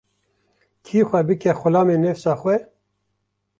Kî xwe bike xulamê nefsa xwe